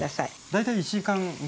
大体１時間ぐらいで？